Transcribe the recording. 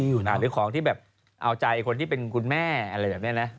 หรือของที่แบบเอาใจคนที่เป็นคุณแม่อะไรแบบนี้นะ